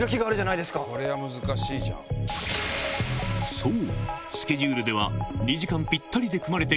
そう！